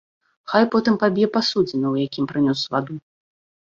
Хай потым паб'е пасудзіна, у якім прынёс ваду.